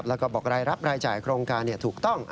แล้วก็บอกรายรับรายจ่ายโครงการถูกต้อง